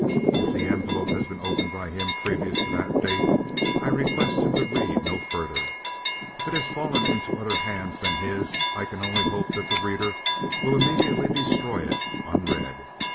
If the envelope has been opened by him previous to that date I request him to read no further. If it has fallen into other hands than his I can only hope that the reader will immediately destroy it unread.'"